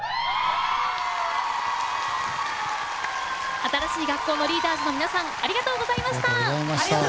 新しい学校のリーダーズの皆さんありがとうございました。